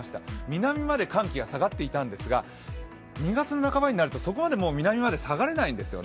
南まで寒気が下がっていたんですが２月の半ばになると、そこまで南まで下がれないんですよね。